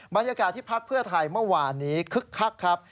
บรรยากาศที่พักเพื่อไทยเมื่อวานนี้คึกคักครับ